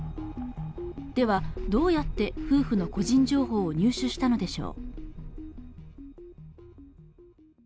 では、どうやって夫婦の個人情報を入手したのでしょう。